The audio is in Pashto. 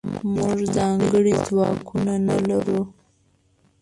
موږځنکړي ځواکونه نلرو